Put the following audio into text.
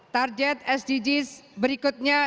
target sdgs berikutnya